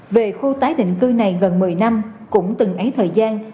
về khu tái định cư này gần một mươi năm cũng từng ấy thời gian